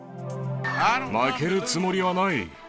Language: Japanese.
負けるつもりはない。